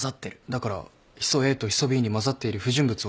だからヒ素Ａとヒ素Ｂに混ざっている不純物を調べて。